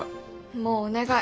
もうお願い